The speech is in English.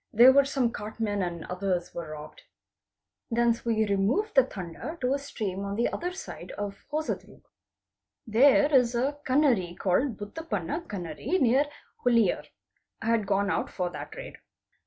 'There some cartmen and others were robbed. Thence we removed the Tanda to a stream on the other side of Hosadrug. There is a Kanave called Bhutapanna Kanave near Huliyar. I had gone out for that raid.